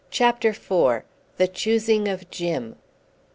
CHAPTER IV. THE CHOOSING OF JIM.